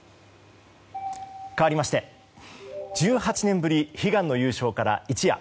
かわりまして１８年ぶり悲願の優勝から一夜。